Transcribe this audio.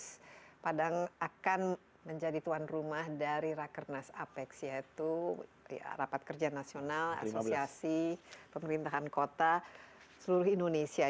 mas padang akan menjadi tuan rumah dari rakernas apex yaitu rapat kerja nasional asosiasi pemerintahan kota seluruh indonesia